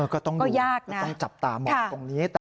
ก็ต้องจับตามองตรงนี้